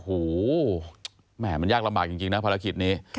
โอ้โหแหม่มันยากลำบากจริงนะภารกิจนี้